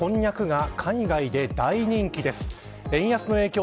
今、日本のこんにゃくが海外で大人気です。